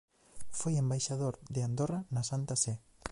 Foi embaixador de Andorra na Santa Sé.